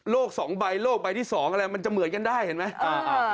๒ใบโลกใบที่๒อะไรมันจะเหมือนกันได้เห็นไหม